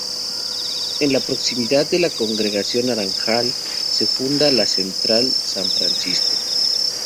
En la proximidad de la congregación Naranjal se funda la Central San Francisco.